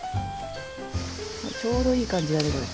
ちょうどいい感じだねこれ。